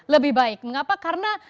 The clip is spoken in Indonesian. lebih baik mengapa karena